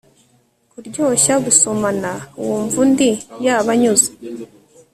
Kuryoshya gusomana wumva undi yabanyuze